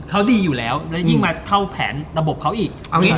เขาดีอยู่แล้วแล้วยิ่งมาเท่าแผนระบบเขาอีก